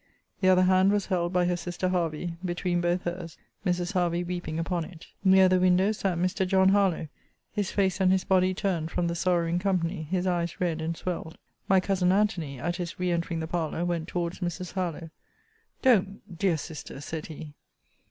The other hand was held by her sister Hervey, between both her's; Mrs. Hervey weeping upon it. Near the window sat Mr. John Harlowe, his face and his body turned from the sorrowing company; his eyes red and swelled. My cousin Antony, at his re entering the parlour, went towards Mrs. Harlowe Don't dear Sister, said he!